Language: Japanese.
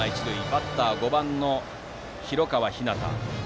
バッターは５番の広川陽大。